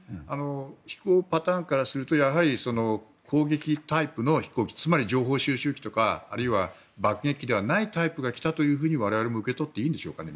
飛行パターンからするとやはり、攻撃タイプの飛行機つまり情報収集機とかあるいは爆撃機ではないタイプが来たと我々も受け取っていいんでしょうかね。